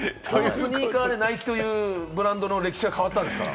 スニーカーでナイキというブランドの歴史変わったんですから。